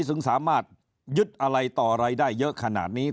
ซึ่งสามารถยึดอะไรต่ออะไรได้เยอะขนาดนี้